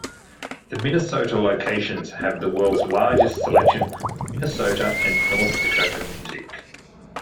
The Minnesota locations have the world's largest selection of Minnesota and North Dakota music.